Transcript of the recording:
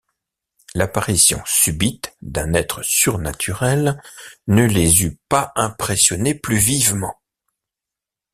L’apparition subite d’un être surnaturel ne les eût pas impressionnés plus vivement.